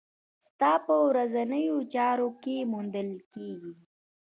ستا په ورځنيو چارو کې موندل کېږي.